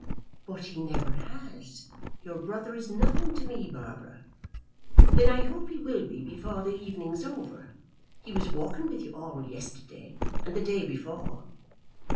"But he never has. Your brother is nothing to me, Barbara." "Then I hope he will be before the evening is over. He was walking with you all yesterday and the day before."